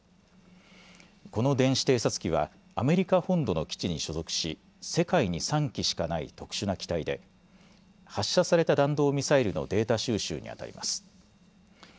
この電子偵察機はアメリカ本土の基地に所属し世界に３機しかない特殊な機体で発射された弾道ミサイルのデータ収集にあたります。